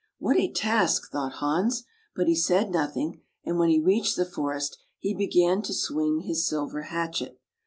"What a task!" thought Hans, but he said nothing; and when he reached the forest he began to swing his silver hatchet.